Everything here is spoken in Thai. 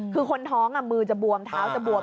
คือคนท้องมือจะบวมเท้าจะบวม